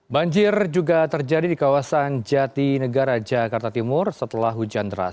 banjir juga terjadi di kawasan jati negara jakarta timur setelah hujan deras